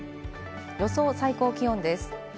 予想最高気温です。